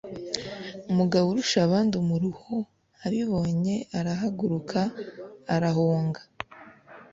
mugaburushabandumuruho abibonye arahaguruka arahunga